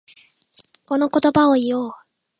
この言葉を言おう。